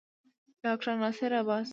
ډاکټر ناصر عباس